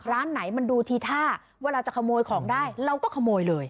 ร้านไหนมันดูทีท่าเวลาจะขโมยของได้เราก็ขโมยเลย